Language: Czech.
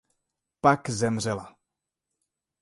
Pak zemřela.